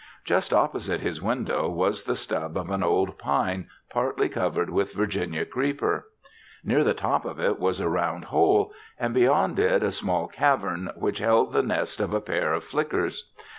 Just opposite his window was the stub of an old pine partly covered with Virginia creeper. Near the top of it was a round hole and beyond it a small cavern which held the nest of a pair of flickers.